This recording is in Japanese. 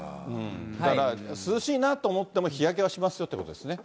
だから、涼しいなと思っても日焼けはしますよということですね。